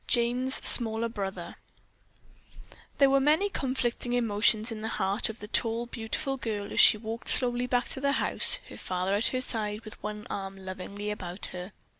JANE'S SMALL BROTHER There were many conflicting emotions in the heart of the tall, beautiful girl as she walked slowly back to the house, her father at her side with one arm lovingly about her.